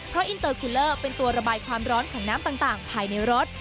เพราะอินเตอร์คูเลอร์เป็นตัวระบายความร้อนของน้ำต่างภายในรถ